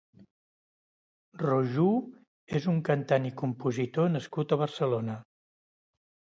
Rojuu és un cantant i compositor nascut a Barcelona.